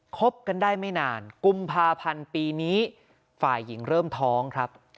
คบกันได้ไม่นานกุมภาพันธ์ปีนี้ฝ่ายหญิงเริ่มท้องครับ